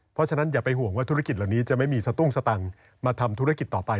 เพราะฉะนั้นอย่าไปห่วงว่าธุรกิจเหล่านี้จะไม่มีสตุ้งสตังค์มาทำธุรกิจต่อไป